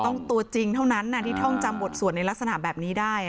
ตัวจริงเท่านั้นที่ท่องจำบทสวดในลักษณะแบบนี้ได้